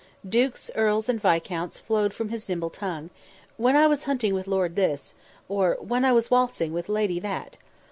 Dukes, earls, and viscounts flowed from his nimble tongue "When I was hunting with Lord this," or "When I was waltzing with Lady that."